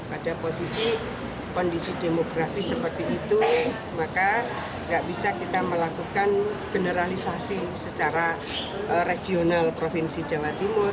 pada posisi kondisi demografis seperti itu maka nggak bisa kita melakukan generalisasi secara regional provinsi jawa timur